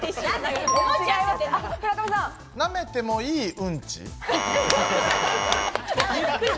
舐めてもいい、うんち。